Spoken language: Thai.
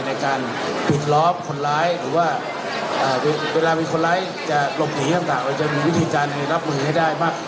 ในการปิดรอบคนร้ายหรือว่าก็จะมองหลบหนีเปล่าจะมีวิทย์จานทั้งนี้รับมือให้ได้มาก